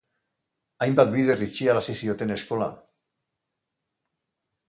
Hainbat bider itxiarazi zioten eskola.